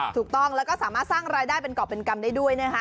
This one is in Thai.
ถูกต้องแล้วก็สามารถสร้างรายได้เป็นกรอบเป็นกรรมได้ด้วยนะคะ